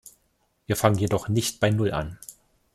Wir fangen jedoch nicht bei Null an.